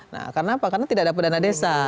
nah kenapa karena tidak dapet dana desa